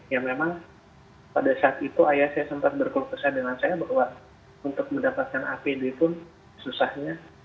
karena pada saat itu ayah saya sempat berkesan dengan saya bahwa untuk mendapatkan apd pun susahnya